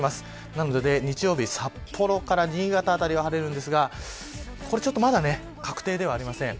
なので日曜日、札幌から新潟辺りは晴れるんですがこれはまだ確定ではありません。